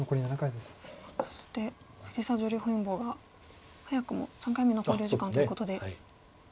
そして藤沢女流本因坊が早くも３回目の考慮時間ということで。